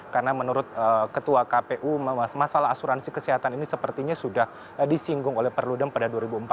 karena menurut ketua kpu masalah asuransi kesehatan ini sepertinya sudah disinggung oleh perludem pada dua ribu empat belas